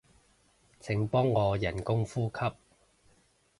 請幫我人工呼吸